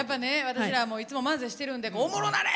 私らいつも漫才してるんでおもろなれ！